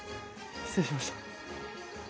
失礼しました。